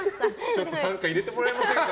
ちょっと傘下入れてもらえませんか？